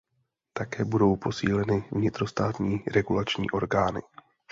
Také budou posíleny vnitrostátní regulační orgány.